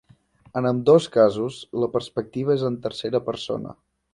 En ambdós casos la perspectiva és en tercera persona.